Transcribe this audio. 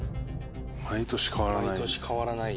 毎年変わらない。